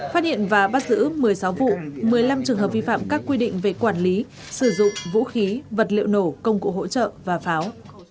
phát hiện và bắt giữ một mươi sáu vụ một mươi năm trường hợp vi phạm các quy định về quản lý sử dụng vũ khí vật liệu nổ công cụ hỗ trợ và pháo